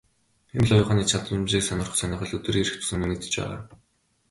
Хиймэл оюун ухааны чадамжийг сонирхох сонирхол өдөр ирэх тусам нэмэгдэж байгаа.